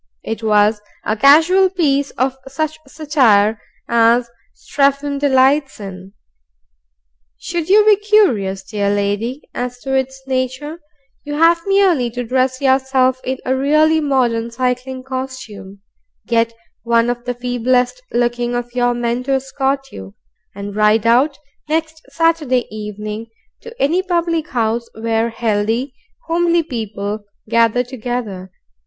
It was a casual piece of such satire as Strephon delights in. Should you be curious, dear lady, as to its nature, you have merely to dress yourself in a really modern cycling costume, get one of the feeblest looking of your men to escort you, and ride out, next Saturday evening, to any public house where healthy, homely people gather together.